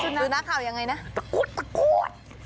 สุนัขเห่ายังไงนะตะโก๊ดตะโก๊ด